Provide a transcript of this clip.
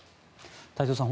太蔵さん